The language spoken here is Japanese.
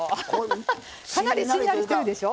かなりしんなりしてるでしょ。